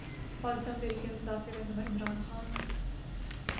پاکستان تحریک انصاف کے رہنما عمران خان